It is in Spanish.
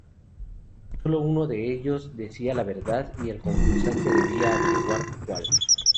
Sólo uno de ellos decía la verdad, y el concursante debía averiguar cuál.